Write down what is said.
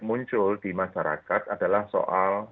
muncul di masyarakat adalah soal